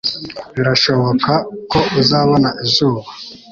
birashoboka ko uzabona izuba.